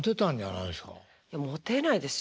いやモテないですよ